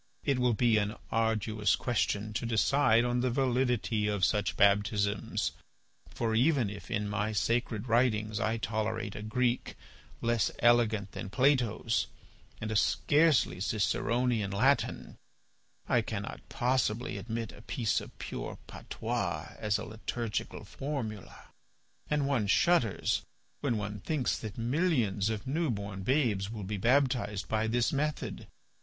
It will be an arduous question to decide on the validity of such baptisms; for even if in my sacred writings I tolerate a Greek less elegant than Plato's and a scarcely Ciceronian Latin, I cannot possibly admit a piece of pure patois as a liturgical formula. And one shudders when one thinks that millions of new born babes will be baptized by this method.